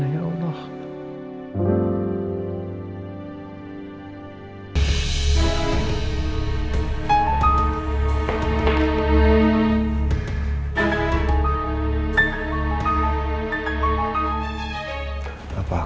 apa aku ke rumah adin sekarang ya